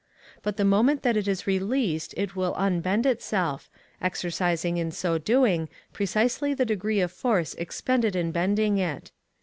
But the moment that it is released it will unbend itself, exercising in so doing precisely the degree of force expended in bending it.